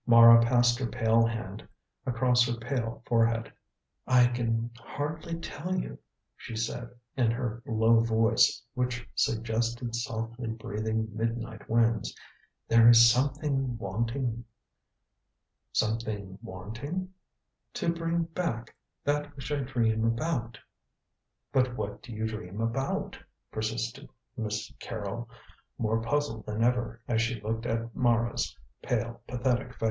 Mara passed her pale hand across her pale forehead. "I can hardly tell you," she said in her low voice, which suggested softly breathing midnight winds; "there is something wanting." "Something wanting?" "To bring back that which I dream about." "But what do you dream about?" persisted Miss Carrol, more puzzled than ever, as she looked at Mara's pale, pathetic face.